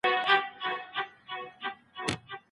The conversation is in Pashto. ایا د ازاد فکر مخه باید ونیول سي؟